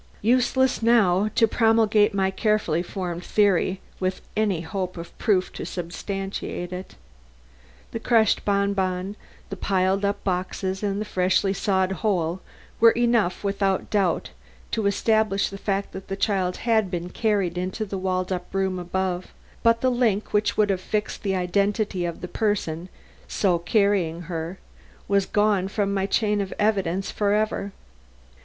Useless now to promulgate my carefully formed theory, with any hope of proof to substantiate it. The crushed bonbon, the piled up boxes and the freshly sawed hole were enough without doubt to establish the fact that the child had been carried into the walled up room above, but the link which would have fixed the identity of the person so carrying her was gone from my chain of evidence for ever.